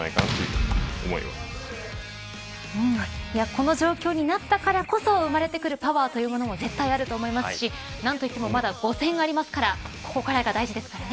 この状況になったからこそ生まれてくるパワーというものも絶対あると思いますし何といってもまだ５戦ありますからここからが大事ですからね。